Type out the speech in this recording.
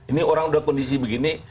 ini orang sudah kondisi begini